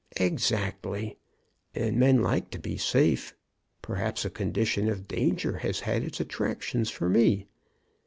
"Exactly, and men like to be safe. Perhaps a condition of danger has had its attractions for me.